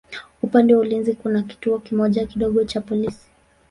Upande wa ulinzi kuna kituo kimoja kidogo cha polisi.